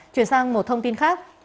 chuyển sang một thông tin khác